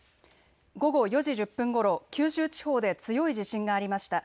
午後４時１０分ごろ、九州地方で強い地震がありました。